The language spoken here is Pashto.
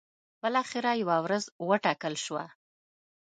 بالاخره یوه ورځ وټاکل شوه.